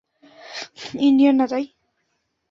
Indian না তাই।